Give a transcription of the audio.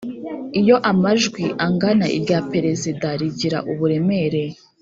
Iyo amajwi angana irya perezida rigira uburemere